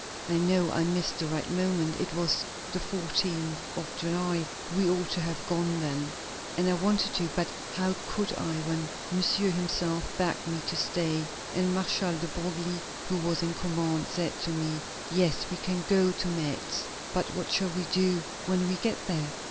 I know I missed the right moment; it was the 14th of July; we ought to have gone then, and I wanted to, but how could I when Monsieur himself begged me to stay, and Marshal de Broglie, who was in command, said to me: "Yes, we can go to Metz. But what shall we do when we get there?"